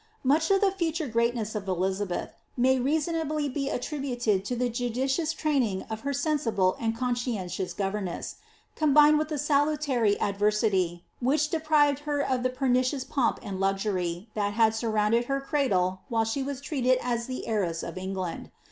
Much of the future greatness of Elizabeth may reasonably be attri buted to the judicious training of her sensible and conscientious go Temess, combined with the salutary adversity, which deprived her of the pernicious pomp and luxury that had surrounded her cradle while fbe was treated as the heiress of England.